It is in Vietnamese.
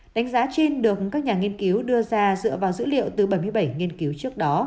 đánh giá trên được các nhà nghiên cứu đưa ra dựa vào dữ liệu từ bảy mươi bảy nghiên cứu trước đó